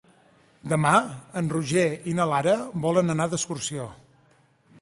Demà en Roger i na Lara volen anar d'excursió.